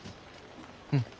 うん。